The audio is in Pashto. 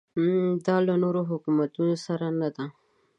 دا له نورو حکومتونو سره نه ده.